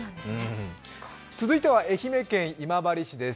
続いては愛媛県今治市です。